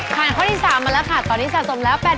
ผ่านข้อนี้๓มาแล้วค่ะตอนนี้สาสมแล้ว๘๐๐๐บาท